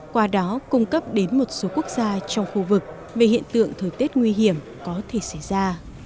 qua đó cung cấp đến một số quốc gia trong khu vực về hiện tượng thời tiết nguy hiểm có thể xảy ra